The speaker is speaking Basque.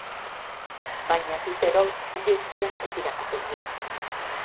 Baina twittero handi guztiak ez dira kazetariak.